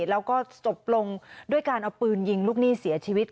แล้วก็จบลงด้วยการเอาปืนยิงลูกหนี้เสียชีวิต